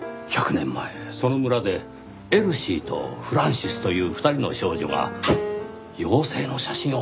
１００年前その村でエルシーとフランシスという２人の少女が妖精の写真を撮ったんですよ。